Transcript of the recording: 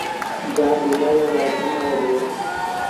جآم بيمآريآن لآ ڪم آئي دو۔